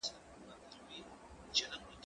ايا ته پوښتنه کوې.